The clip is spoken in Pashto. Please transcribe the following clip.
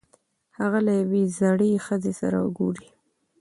هغه له یوې زړې ښځې سره ګوري.